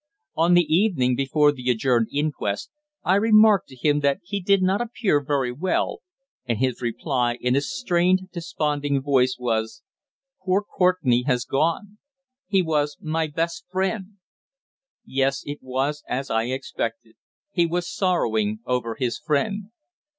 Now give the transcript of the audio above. On the evening before the adjourned inquest I remarked to him that he did not appear very well, and his reply, in a strained, desponding voice, was: "Poor Courtenay has gone. He was my best friend." Yes, it was as I expected, he was sorrowing over his friend.